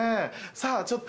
さぁちょっと。